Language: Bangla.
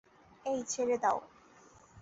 এই, ছেড়ে দাও।